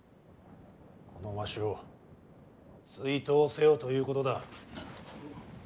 このわしを追討せよということだ。